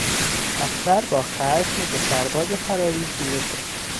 افسر با خشم به سرباز فراری خیره شد.